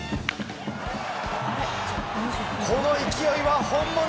この勢いは本物！